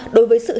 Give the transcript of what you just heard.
đối với sự hy sinh